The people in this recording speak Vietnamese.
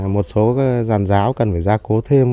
một số dàn giáo cần phải gia cố thêm